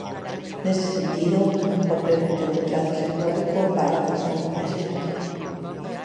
Nese sentido, o premio ten un trazo simbólico para os da miña xeración.